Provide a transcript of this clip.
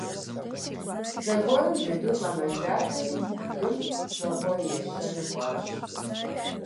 Зэгуэрым джэдур къэмэжалӀэри, бгым дзыгъуэ ещэну кӀуащ.